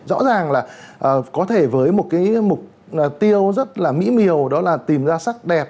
rõ ràng là có thể với một tiêu rất là mỹ miều đó là tìm ra sắc đẹp